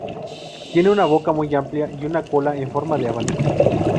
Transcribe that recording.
Tiene una boca muy amplia y una cola en forma de abanico.